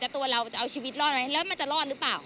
ตัวเราจะเอาชีวิตรอดไหมแล้วมันจะรอดหรือเปล่า